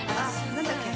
何だっけ